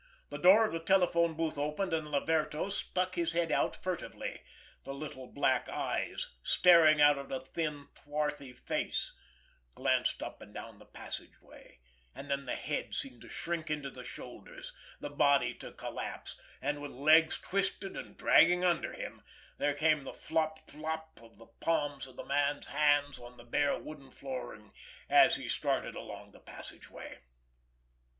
The door of the telephone booth opened, and Laverto stuck his head out furtively. The little black eyes, staring out of the thin, swarthy face, glanced up and down the passageway, and then the head seemed to shrink into the shoulders, the body to collapse, and, with legs twisted and dragging under him, there came the flop flop of the palms of the man's hands on the bare wooden flooring, as he started along the passageway.